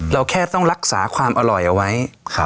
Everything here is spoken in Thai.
เราแค่ต้องรักษาความอร่อยเอาไว้